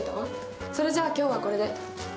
それじゃあ今日はこれで。